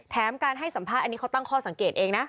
การให้สัมภาษณ์อันนี้เขาตั้งข้อสังเกตเองนะ